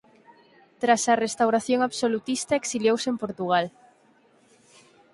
Tras a restauración absolutista exiliouse en Portugal.